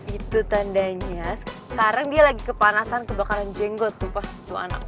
itu tandanya sekarang dia lagi kepanasan kebakaran jenggot tuh pas itu anak